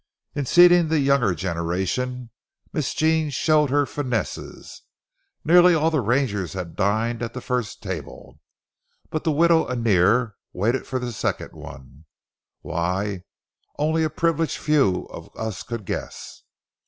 In seating the younger generation, Miss Jean showed her finesse. Nearly all the rangers had dined at the first tables, but the widow Annear waited for the second one—why, only a privileged few of us could guess.